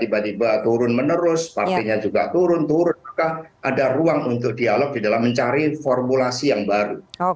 ini sebagai daya tawar